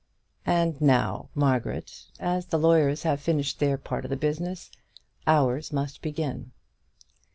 "And now, Margaret, as the lawyers have finished their part of the business, ours must begin."